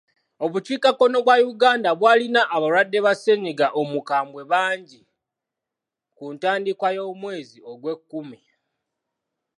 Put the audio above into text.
Obukiikakkono bwa Uganda bw'alina abalwadde ba ssennyiga omukambwe bangi ku ntandikwa y'omwezi ogw'ekkumi.